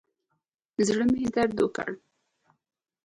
زړه مې درد وکړ.